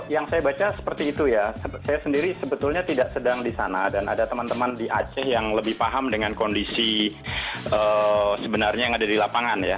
yang saya baca seperti itu ya saya sendiri sebetulnya tidak sedang di sana dan ada teman teman di aceh yang lebih paham dengan kondisi sebenarnya yang ada di lapangan ya